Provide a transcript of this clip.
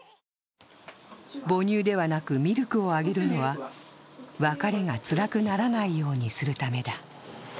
母乳ではなくミルクをあげるのは、別れがつらくならないようにするためだ。